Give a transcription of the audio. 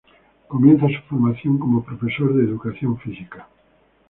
Comienza su Formación como Profesor de Educación Física.